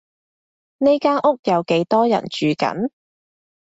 呢間屋有幾多人住緊？